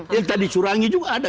yang tadi curangi juga ada